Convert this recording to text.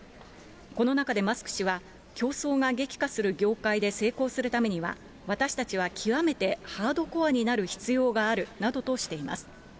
この中でマスク氏は、競争が激化する業界で成功するためには、私たちは極めてハードコアになる必要があるなどとしています。